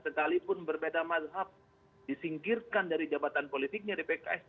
sekalipun berbeda mazhab disingkirkan dari jabatan politiknya di pks